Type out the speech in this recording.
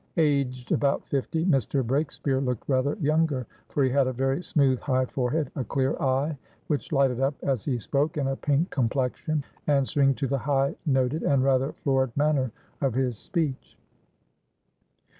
Aged about fifty, Mr. Breakspeare looked rather younger, for he had a very smooth high forehead, a clear eye, which lighted up as he spoke, and a pink complexion answering to the high noted and rather florid manner of his speech.